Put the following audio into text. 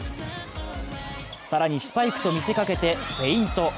更にスパイクと見せかけてフェイント。